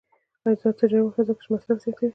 آزاد تجارت مهم دی ځکه چې مصرف زیاتوي.